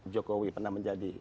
jokowi pernah menjadi